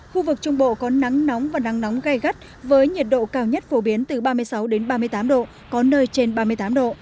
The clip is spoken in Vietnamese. khu vực trung bộ có nắng nóng và nắng nóng gai gắt với nhiệt độ cao nhất phổ biến từ ba mươi sáu ba mươi tám độ có nơi trên ba mươi tám độ